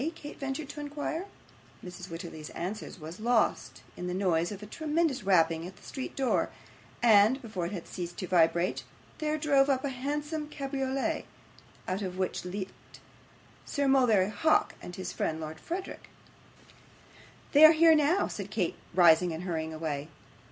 Kate ventured to inquire. Mrs. Wititterly's answer was lost in the noise of a tremendous rapping at the street door, and before it had ceased to vibrate, there drove up a handsome cabriolet, out of which leaped Sir Mulberry Hawk and his friend Lord Verisopht. 'They are here now,' said Kate, rising and hurrying away.